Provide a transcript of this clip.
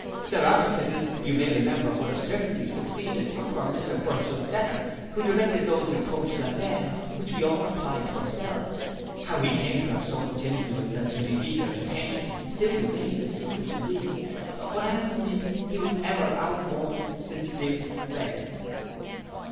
Their artifices, you may remember would have certainly succeeded, but for Mr Burchell's letter, who directed those reproaches at them, which we all applied to ourselves. How he came to have so much influence as to defeat their intentions, still remains a secret to me; but I am convinced he was ever our warmest sincerest friend.